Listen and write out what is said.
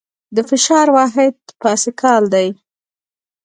د فشار واحد پاسکال دی.